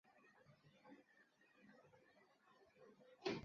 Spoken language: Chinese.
深色树皮纵裂。